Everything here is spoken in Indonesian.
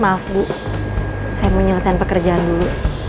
maaf bu saya mau nyelesain pekerjaan dulu